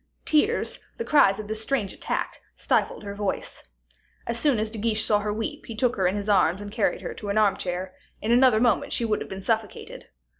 Tears, the cries of this strange attack, stifled her voice. As soon as De Guiche saw her weep, he took her in his arms and carried her to an armchair; in another moment she would have been suffocated.